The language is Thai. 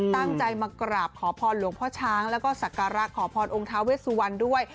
ตั้งใจมากราบขอพรหลวงพ่อช้างแล้วก็สักการะขอพรองค์ท้าเวสวันด้วย